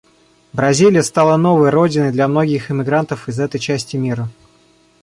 Бразилия стала новой родиной для многих иммигрантов из этой части мира.